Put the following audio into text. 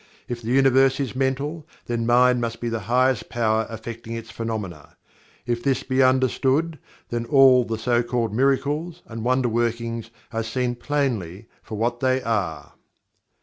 If the Universe is Mental, then Mind must be the highest power affecting its phenomena. If this be understood then all the so called "miracles" and "wonder workings" are seen plainly for what they are.